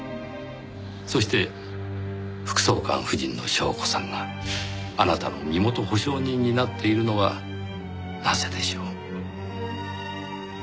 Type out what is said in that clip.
そして副総監夫人の祥子さんがあなたの身元保証人になっているのはなぜでしょう？